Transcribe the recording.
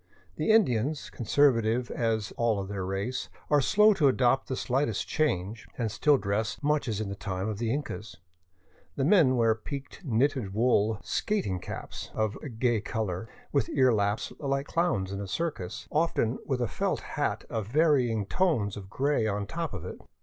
The Indians, conservative as all their race, are slow to adopt the slightest change, and still dress much as in the time of the Incas. The men wear peaked knitted wool " skating caps " of gay colors, with earlaps, like clowns in a circus, often with a felt hat of varying tones of gray on top of it.